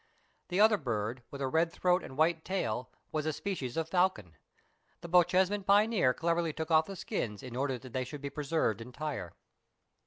The other bird, with a red throat and white tail, was a species of falcon. The Bochjesman pioneer cleverly took off the skins, in order that they should be preserved entire.